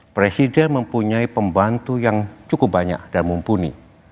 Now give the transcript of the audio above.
presiden mempunyai pembantu yang cukup banyak dan mumpuni